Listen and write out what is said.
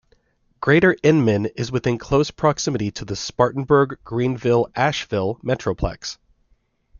Greater Inman is within close proximity to the Spartanburg-Greenville-Asheville metroplex.